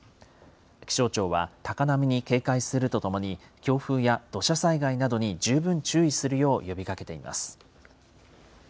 気象庁は、高波に警戒するとともに、強風や土砂災害などに十分注意するよう呼びかけています。